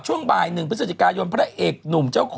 จงบ่ายนึงพฤศจิกายนพระเอกหนุ่ม